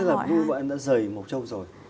tức là vui vẻ em đã rời một châu rồi